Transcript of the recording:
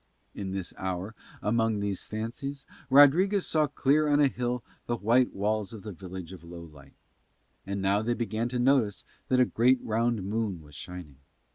In this hour, among these fancies, Rodriguez saw clear on a hill the white walls of the village of Lowlight. And now they began to notice that a great round moon was shining.